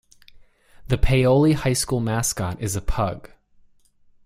The Paoli High School mascot is a pug.